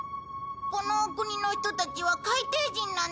この国の人たちは海底人なんですか？